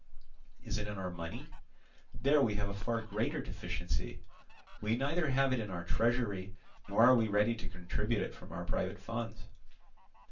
Is it in our money? There we have a far greater deficiency. We neither have it in our treasury, nor are we ready to contribute it from our private funds.